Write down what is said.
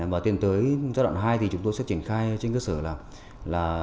và tiến tới giai đoạn hai thì chúng tôi sẽ triển khai trên cơ sở là